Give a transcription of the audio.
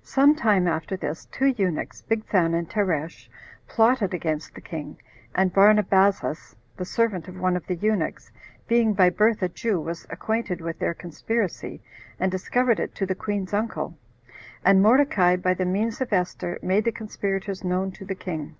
4. Some time after this [two eunuchs], Bigthan and Teresh, plotted against the king; and Barnabazus, the servant of one of the eunuchs, being by birth a Jew, was acquainted with their conspiracy, and discovered it to the queen's uncle; and Mordecai, by the means of Esther, made the conspirators known to the king.